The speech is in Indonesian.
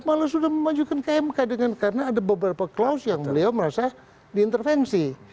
malah sudah memajukan kmk karena ada beberapa clause yang beliau merasa diintervensi